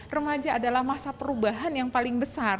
remaja adalah masa perubahan yang paling besar